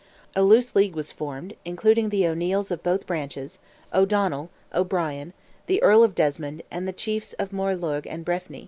A loose league was formed, including the O'Neils of both branches, O'Donnell, O'Brien, the Earl of Desmond, and the chiefs of Moylurg and Breffni.